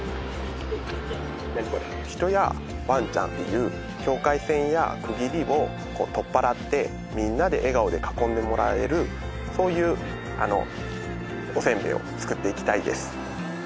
人やワンちゃんっていう境界線や区切りを取っ払ってみんなで笑顔で囲んでもらえるそういうおせんべいを作っていきたいです